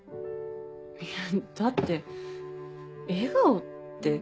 いやだって笑顔って。